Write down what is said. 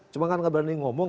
cuma kan gak berani ngomong